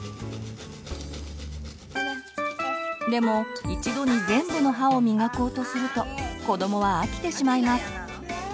でも一度に全部の歯をみがこうとすると子どもは飽きてしまいます。